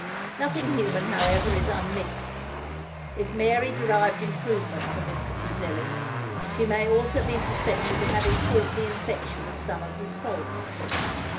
Nothing human however is unmixed. If Mary derived improvement from Mr. Fuseli, she may also be suspected of having caught the infection of some of his faults.